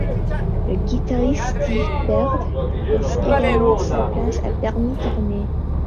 Le guitariste Steve Byrd laisse également sa place à Bernie Tormé.